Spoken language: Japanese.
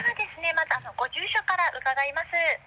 まずご住所から伺います。